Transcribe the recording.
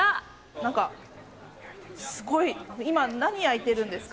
なんか、すごい今、何焼いてるんですか？